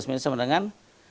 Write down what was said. ini sama dengan tiga puluh lima